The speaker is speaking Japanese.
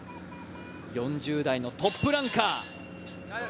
４０代のトップランカー。